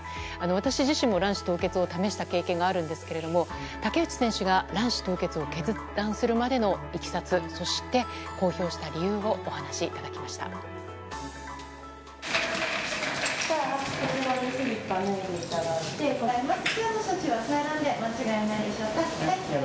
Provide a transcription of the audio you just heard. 私自身も卵子凍結を試した経験があるんですが竹内選手が卵子凍結を決断するまでのいきさつ、公表した理由をお話しいただきました。